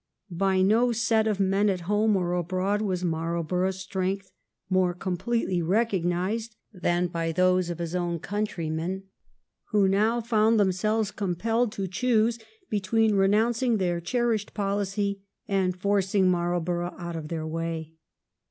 By no set of men at home or abroad was Marl borough's strength more completely recognised than by those of his own countrymeUj who now found 1712 OCCASIONAL OONFOEMITY. 105 themselves compelled to choose between renouncing their cherished policy and forcing Marlborough out of their way.